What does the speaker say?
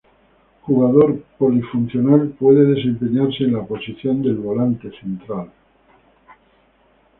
Jugador polifuncional, puede desempeñarse en la posición de volante central.